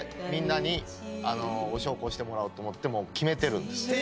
みんなにお焼香してもらおうと思ってもう決めてるんです。